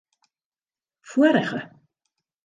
Foarige.